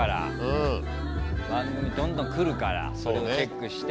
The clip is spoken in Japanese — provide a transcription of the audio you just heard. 番組どんどん来るからそれチェックして。